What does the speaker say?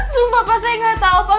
sumpah pak saya gak tahu pak